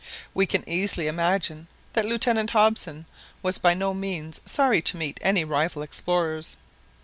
We can easily imagine that Lieutenant Hobson was by no means sorry not to meet any rival explorers.